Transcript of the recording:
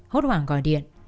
hốt hoảng gọi điện